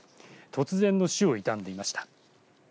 突然の死を悼んでいました。